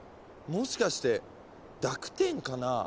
もしかして濁点かなぁ。